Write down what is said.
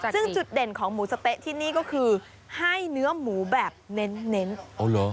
ซึ่งจุดเด่นของหมูสะเต๊ะที่นี่ก็คือให้เนื้อหมูแบบเน้นอ๋อเหรอ